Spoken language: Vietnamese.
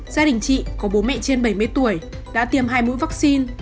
gia đình chị có bố mẹ trên bảy mươi tuổi đã tiêm hai mũi vaccine